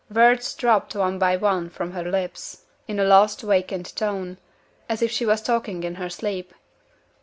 Words dropped one by one from her lips, in a lost, vacant tone, as if she was talking in her sleep.